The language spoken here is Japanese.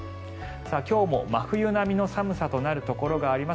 今日も真冬並みの寒さとなるところがあります。